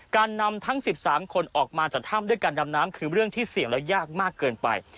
การนำทั้ง๑๓คนออกมาจากถ้ำด้วยการดำน้ำคือเรื่องที่เสี่ยงและยากมากเกินไป